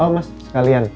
oh mas sekalian